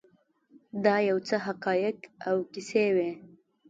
دا یو څه حقایق او کیسې وې.